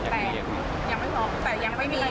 แต่ยังไม่มี